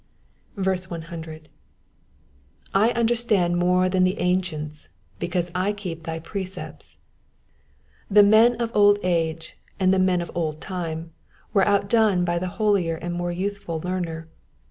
100. / understand more than the ancients, because I heep thy precepts,''^ The men of old age, and the men of old time, were outdone by the holier and more youthful learner.